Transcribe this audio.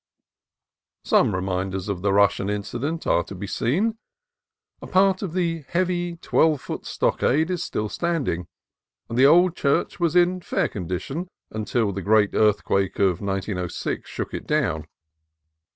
Some reminders of the Russian incident are to be seen. A part of the heavy twelve foot stockade is still standing, and the old church was in fair condition until the great earthquake of 1906 shook it down.